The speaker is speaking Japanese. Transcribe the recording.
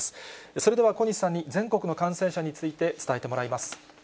それでは小西さんに全国の感染者について伝えてもらいます。